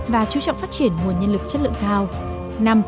và chú trọng phát triển nguồn nhân lực chất lượng cao